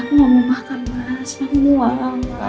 aku nggak mau makan mas aku mau mual